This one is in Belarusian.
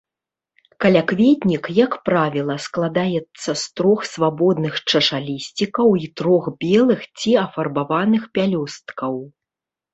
Калякветнік, як правіла, складаецца з трох свабодных чашалісцікаў і трох белых ці афарбаваных пялёсткаў.